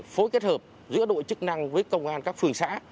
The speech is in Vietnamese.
phối kết hợp giữa đội chức năng với công an các phường xã